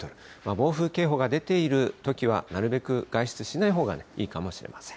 暴風警報が出ているときは、なるべく外出しないほうがいいかもしれません。